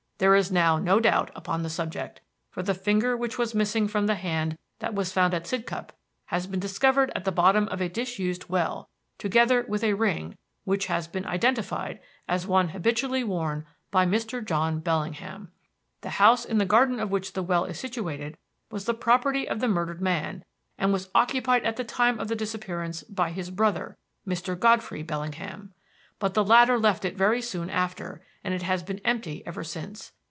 There is now no doubt upon the subject, for the finger which was missing from the hand that was found at Sidcup has been discovered at the bottom of a disused well together with a ring, which has been identified as one habitually worn by Mr. John Bellingham. "The house in the garden of which the well is situated was the property of the murdered man, and was occupied at the time of the disappearance by his brother, Mr. Godfrey Bellingham. But the latter left it very soon after, and it has been empty ever since.